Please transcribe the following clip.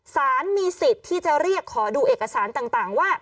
สารมีสิทธิ์ที่จะเรียกขอดูเอกสารต่างว่า